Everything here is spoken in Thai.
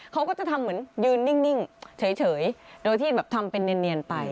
เขาก็จะทำเหมือนยืนนิ่งเฉยโดยที่แบบทำเป็นเนียนไป